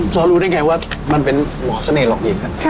จอรู้ได้ไงว่ามันเป็นหลอกฉันเองหลอกเองครับ